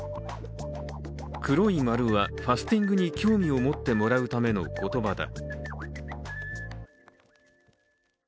黒い丸は、ファスティングに興味を持ってもらうための言葉だ。